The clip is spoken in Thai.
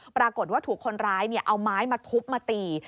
ปรากฏว่าถูกคนร้ายเอาไม้มาทุบมาตี